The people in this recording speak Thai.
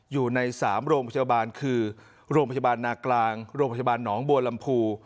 อยู่ใน๓โรงพยาบาลคือโรงพยาบาลนากลางโรงพยาบาลหนองบัวลำพู